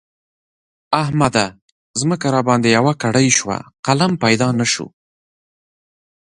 احمده! ځمکه راباندې يوه کړۍ شوه؛ قلم پيدا نه شو.